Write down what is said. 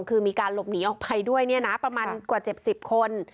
คือมีการหลบหนีออกไปด้วยนะประมาณกว่าเจ็บสิบคน